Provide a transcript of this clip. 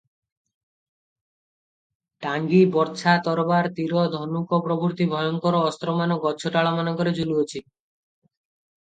ଟାଙ୍ଗି, ବର୍ଚ୍ଛା, ତରବାର, ତୀର, ଧନୁକ ପ୍ରଭୃତି ଭୟଙ୍କର ଅସ୍ତ୍ରମାନ ଗଛଡାଳମାନଙ୍କରେ ଝୁଲୁଅଛି ।